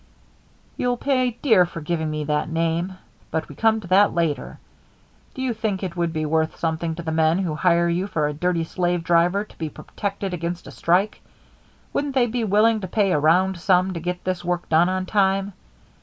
"You'll pay dear for giving me that name. But we come to that later. Do you think it would be worth something to the men who hire you for a dirty slave driver to be protected against a strike? Wouldn't they be willing to pay a round sum to get this work done on time?